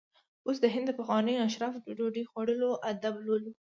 اوس د هند د پخوانیو اشرافو د ډوډۍ خوړلو آداب لولو.